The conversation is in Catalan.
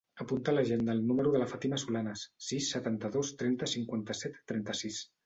Apunta a l'agenda el número de la Fàtima Solanes: sis, setanta-dos, trenta, cinquanta-set, trenta-sis.